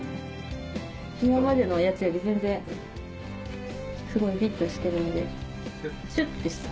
今までのやつより全然すごいフィットしてるのでシュってしてる。